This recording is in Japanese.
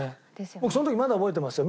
僕その時まだ覚えてますよ。